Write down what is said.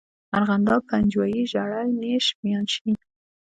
ارغنداب، پنجوائی، ژړی، نیش، میانشین.